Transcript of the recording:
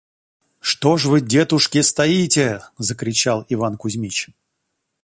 «Что ж вы, детушки, стоите? – закричал Иван Кузмич.